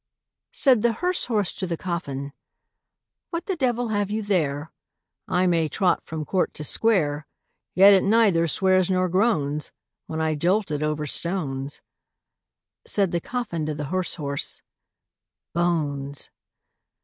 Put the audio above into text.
Said the hearse horse to the coffin, "What the devil have you there? I may trot from court to square, Yet it neither swears nor groans, When I jolt it over stones." Said the coffin to the hearse horse, "Bones!"